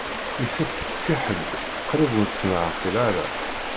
I tiṭ tkeḥḥel-d, qrib ur tt-neɛqil ara.